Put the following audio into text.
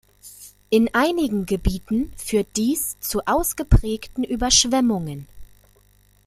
In einigen Gebieten führt dies zu ausgeprägten Überschwemmungen.